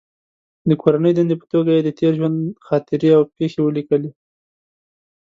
د کورنۍ دندې په توګه یې د تېر ژوند خاطرې او پېښې ولیکلې.